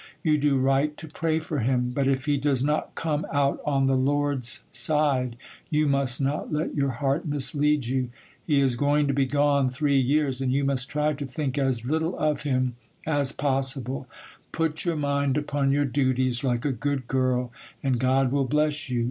You do right to pray for him; but if he does not come out on the Lord's side, you must not let your heart mislead you. He is going to be gone three years, and you must try to think as little of him as possible;—put your mind upon your duties, like a good girl, and God will bless you.